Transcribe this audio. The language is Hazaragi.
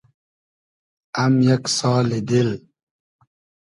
ام یئگ سالی دیل